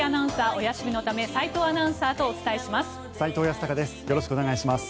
お休みのため斎藤アナウンサーとお伝えします。